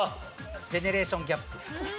ジェネレーションギャップ。